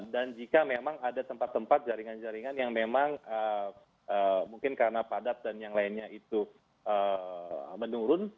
dan jika memang ada tempat tempat jaringan jaringan yang memang mungkin karena padat dan yang lainnya itu menurun